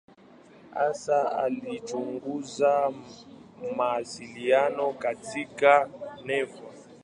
Hasa alichunguza mawasiliano katika neva.